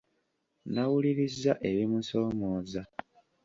Nnawulirizza ebimusoomooza.